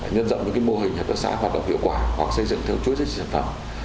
nhân dọng mô hình hợp tác xã hoạt động hiệu quả hoặc xây dựng theo chuỗi giá trị sản phẩm